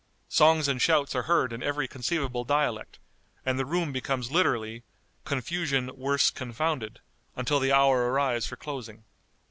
Songs and shouts are heard in every conceivable dialect, and the room becomes literally "confusion worse confounded" until the hour arrives for closing.